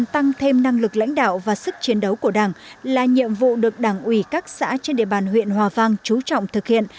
tăng thêm năng lực lãnh đạo và sức chiến đấu của đảng là nhiệm vụ được đảng ủy các xã trên địa bàn huyện hòa vang trú trọng thực hiện